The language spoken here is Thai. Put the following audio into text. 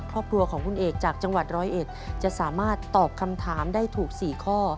ครอบครัวของคุณเอกจากจังหวัดร้อยเอ็ดจะสามารถตอบคำถามได้ถูก๔ข้อ